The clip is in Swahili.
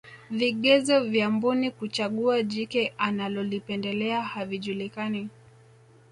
vigezo vya mbuni kuchagua jike analolipendelea havijulikani